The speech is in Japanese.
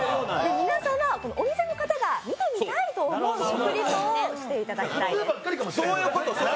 お店の方が見てみたいと思う食リポをしていただきたいです。